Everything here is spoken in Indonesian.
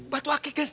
batu aki kan